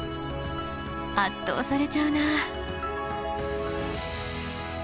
圧倒されちゃうなあ。